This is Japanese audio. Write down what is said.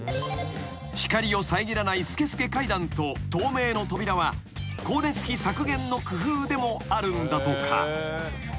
［光を遮らないすけすけ階段と透明の扉は光熱費削減の工夫でもあるんだとか］